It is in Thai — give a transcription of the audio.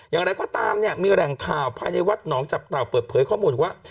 อย่างไรก็ตามเนี่ยมีแหล่งข่าวภายในวัดหนองจับเต่าเปิดเผยข้อมูลว่า